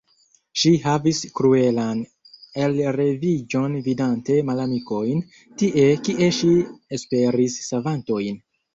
Ŝi havis kruelan elreviĝon vidante malamikojn, tie, kie ŝi esperis savantojn.